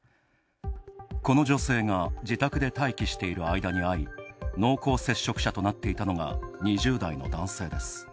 この女性が自宅で待機している間に会い濃厚接触者となっていたのが２０代の男性です。